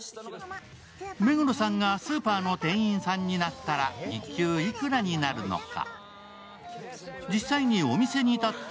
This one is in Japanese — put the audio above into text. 目黒さんがスーパーの店員さんになったら日給いくらになるのか。